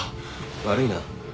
悪いな。